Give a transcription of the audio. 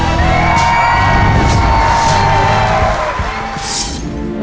โอ้โห